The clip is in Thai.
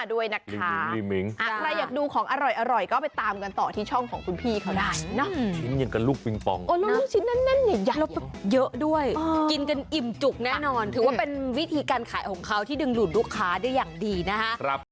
ด้วยนะคะอะไรอยากดูของอร่อยอร่อยก็ไปตามกันต่อที่ช่องของคุณพี่เขาได้ชิ้นอย่างกันลูกปริงปองแล้วลูกชิ้นนั้นเนี่ยยักษ์เยอะด้วยกินกันอิ่มจุกแน่นอนถือว่าเป็นวิธีการขายของเขาที่ดึงหลุดลูกค้าด้วยอย่างดีนะฮะ